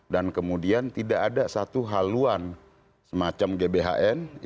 dan kemudian tidak ada satu haluan semacam gbhn